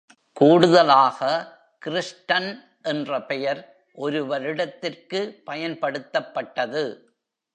கூடுதலாக, கிறிஸ்டன் என்ற பெயர் ஒரு வருடத்திற்கு பயன்படுத்தப்பட்டது.